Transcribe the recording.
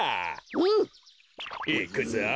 うん！いくぞ！